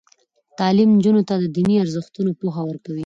تعلیم نجونو ته د دیني ارزښتونو پوهه ورکوي.